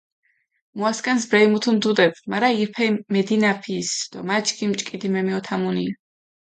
მუასქანს ბრელი მუთუნ დუტებ, მარა ირფელი მედინაფჷ ის დო მა ჩქიმი ჭკიდი მემიჸოთამუნია.